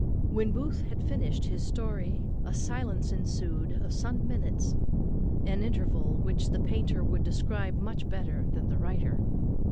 When Booth had finished his story a silence ensued of some minutes; an interval which the painter would describe much better than the writer.